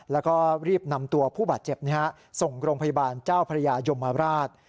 แล้วก็รีบนำตัวผู้บาดเจ็บส่งโรงพยาบาลเจ้าพระยายมราช